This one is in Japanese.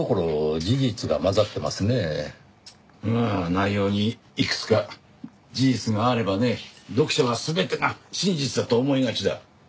内容にいくつか事実があればね読者は全てが真実だと思いがちだ。